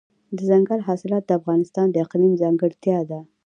دځنګل حاصلات د افغانستان د اقلیم ځانګړتیا ده.